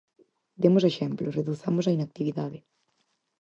Demos exemplo, reduzamos a inactividade.